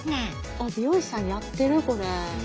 あっ美容師さんやってるこれ。